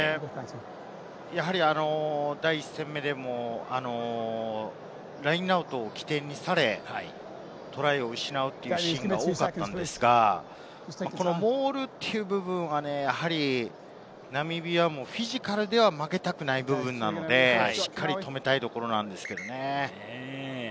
第１戦目でもラインアウトを起点にされて、トライを失うというシーンが多かったのですが、モールという部分はやはり、ナミビアもフィジカルでは負けたくないので、しっかり止めたいところなんですけれどね。